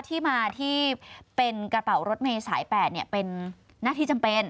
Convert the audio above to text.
ที่มาที่เป็นกระเป๋ารถเมย์สาย๘เป็นหน้าที่จำเป็น